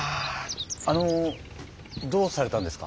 あのどうされたんですか？